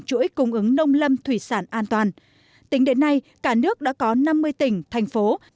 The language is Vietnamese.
chuỗi cung ứng nông lâm thủy sản an toàn tính đến nay cả nước đã có năm mươi tỉnh thành phố